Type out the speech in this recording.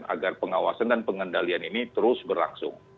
agar pengawasan dan pengendalian ini terus berlangsung